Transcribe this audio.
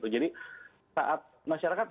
jadi saat masyarakat saja